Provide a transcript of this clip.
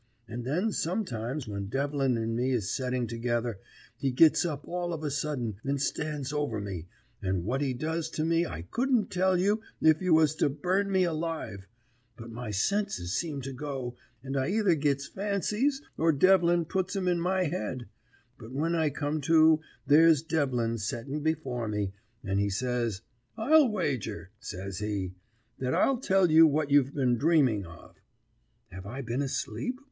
And then sometimes when Devlin and me is setting together, he gits up all of a sudden and stands over me, and what he does to me I couldn't tell you if you was to burn me alive; but my senses seems to go, and I either gits fancies, or Devlin puts 'em in my head; but when I come to there's Devlin setting before me, and he says, "I'll wager," says he, "that I'll tell you what you've been dreaming of." "Have I been asleep?"